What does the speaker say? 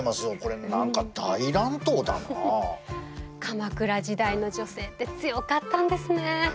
鎌倉時代の女性って強かったんですね。